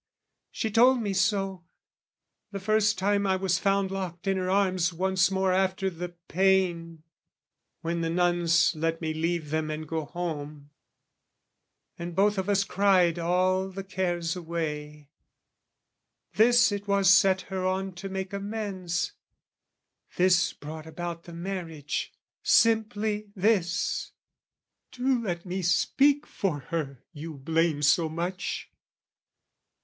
She told me so, the first time I was found Locked in her arms once more after the pain, When the nuns let me leave them and go home, And both of us cried all the cares away, This it was set her on to make amends, This brought about the marriage simply this! Do let me speak for her you blame so much!